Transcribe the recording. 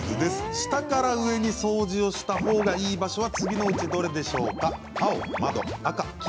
下から上に掃除したほうがいい場所は次のうちどれでしょうか？